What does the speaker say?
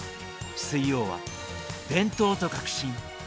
水曜は「伝統と革新！